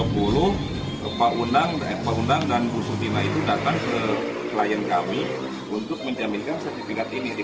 dua ribu dua puluh pak undang dan bu suntina itu datang ke klien kami untuk menjaminkan sertifikat ini